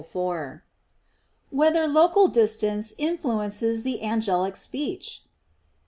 4] Whether Local Distance Influences the Angelic Speech?